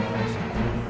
tidak perlu berhenti